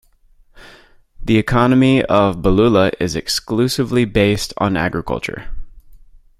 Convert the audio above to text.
The economy of Bolulla is exclusively based on agriculture.